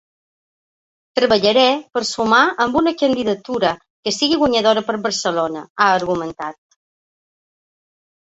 Treballaré per sumar amb una candidatura que sigui guanyadora per a Barcelona, ha argumentat.